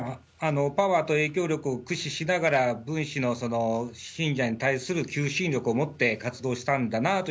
パワーと影響力を駆使しながら、ムン氏の信者に対する求心力を持って活動したんだなって